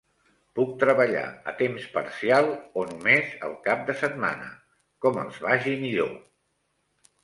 Puc treballar a temps parcial o només el cap de setmana, com els vagi millor.